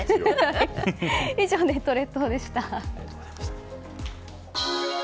以上、ネット列島でした。